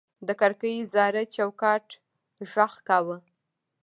د کړکۍ زاړه چوکاټ غږ کاوه.